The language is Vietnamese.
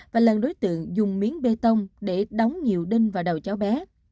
và lần đối tượng dùng miếng bê tông để đóng nhiều đinh vào đầu cháu bé